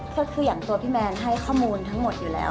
ก็คืออย่างตัวพี่แมนให้ข้อมูลทั้งหมดอยู่แล้ว